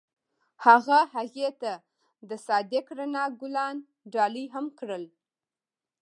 هغه هغې ته د صادق رڼا ګلان ډالۍ هم کړل.